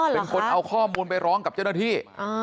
เป็นคนเอาข้อมูลไปร้องกับเจ้าหน้าที่